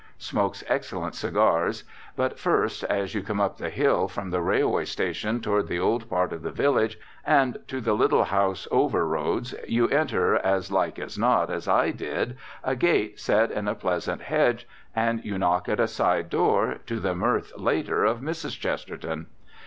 Smokes excellent cigars. But first, as you come up the hill, from the railway station toward the old part of the village and to the little house Overroads, you enter, as like as not, as I did, a gate set in a pleasant hedge, and you knock at a side door, to the mirth later of Mrs. Chesterton.